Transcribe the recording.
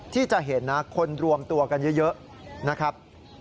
ที่จะเห็นนะคนรวมตัวกันเยอะนะครับ